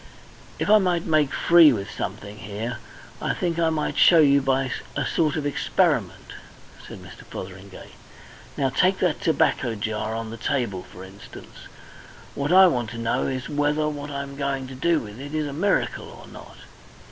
"If I might make free with something here, I think I might show you by a sort of experiment," said Mr. Fotheringay. "Now, take that tobacco jar on the table, for instance. What I want to know is whether what I am going to do with it is a miracle or not.